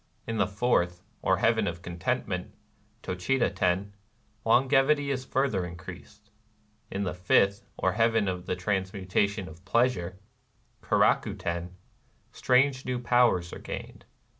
In the fourth, or Heaven of Contentment (^TocJiita Ten)^ longevity is further increased. In the fifth, or Heaven of the Transmutation of Pleasure (Keraku Ten)^ strange new powers are gained.